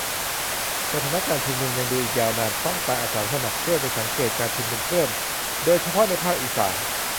สถานการณ์ชุมนุม ดูยังอีกยาวนาน ต้องการอาสาสมัครช่วยไปสังเกตการณ์ชุมนุมเพิ่ม โดยเฉพาะในภาคอีสาน